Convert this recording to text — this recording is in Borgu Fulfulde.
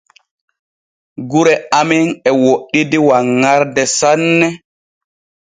Gure amen e woɗɗidi wanŋarde sanne.